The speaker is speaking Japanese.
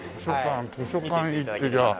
図書館行ってじゃあ。